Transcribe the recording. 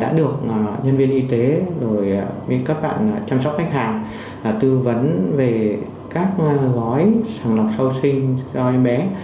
đã được nhân viên y tế các bạn chăm sóc khách hàng tư vấn về các gói sàng lọc sau sinh cho em bé